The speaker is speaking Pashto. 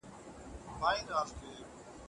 کله چي ما کمپيوټر زده کاوه، انټرنېټ دومره عام نه و.